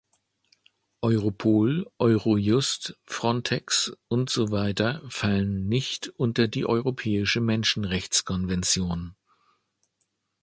Europol, Eurojust, Frontex und so weiter fallen nicht unter die europäische Menschenrechtskonvention.